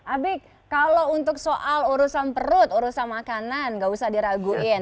abik kalau untuk soal urusan perut urusan makanan gak usah diraguin